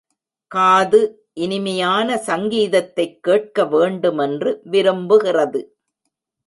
காது இனிமையான சங்கீதத்தைக் கேட்க வேண்டுமென்று விரும்புகிறது.